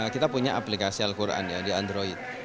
kita punya aplikasi al quran ya di android